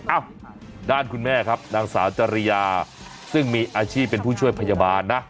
อ้าวด้านคุณแม่ครับนางสาวจริยาซึ่งมีอาชีพเป็นผู้ช่วยพยาบาลนะ